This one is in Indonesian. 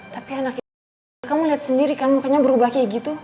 tapi anak itu kamu lihat sendiri kan mukanya berubah kayak gitu